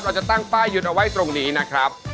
เราจะตั้งป้ายยึดเอาไว้ตรงนี้นะครับ